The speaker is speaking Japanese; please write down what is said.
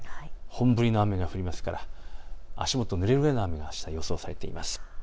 本降りの雨が降りますから足元がぬれるくらいの雨が予想されています。